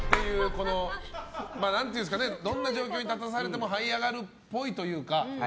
何て言いますかどんな状況に立たされてもはい上がるっぽいというか。